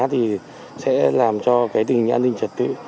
thì sẽ làm cho cái tình hình an ninh trật tự